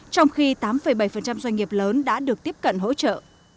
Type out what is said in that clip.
trong khi tám bảy doanh nghiệp lớn đã được tiếp cận hỗ trợ